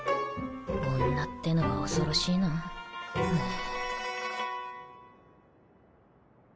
女ってのは恐ろしいなフゥ。